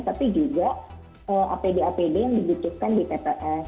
tapi juga apd apd yang dibutuhkan di tps